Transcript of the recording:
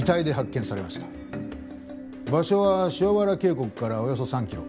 場所は塩原渓谷からおよそ３キロ。